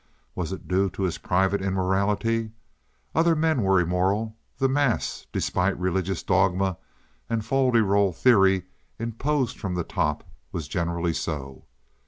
Was it due to his private immorality? Other men were immoral; the mass, despite religious dogma and fol de rol theory imposed from the top, was generally so.